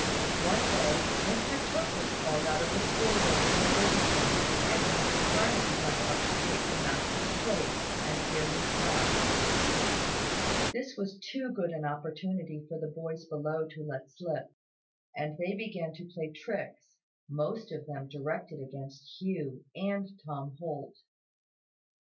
One day, Mr Tooke was called out of the school room to a visitor, and Mr Carnaby went up to take the master's place, and hear his class. This was too good an opportunity for the boys below to let slip; and they began to play tricks, most of them directed against Hugh and Tom Holt.